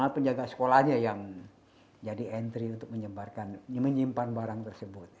penjaga sekolahnya yang jadi entry untuk menyimpan barang tersebut